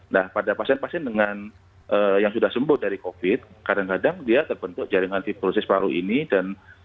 nah pada pasien pasien dengan yang sudah sembuh dari covid kadang kadang dia terbentuk jaringan fibrosis paru ini dan